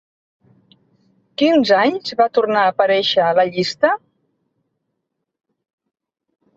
Quins anys va tornar a aparèixer a la llista?